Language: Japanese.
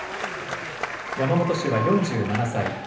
山本氏は４７歳。